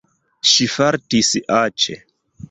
Ŝi fartis aĉe.